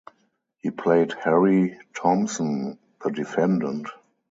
He played Harry Thompson, the defendant.